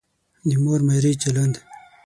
د مور میرې چلند.